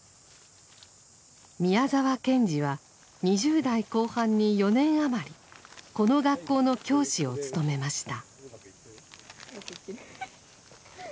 宮沢賢治は２０代後半に４年余りこの学校の教師を務めました。